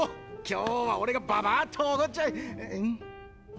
今日は俺がババッとおごっちゃん？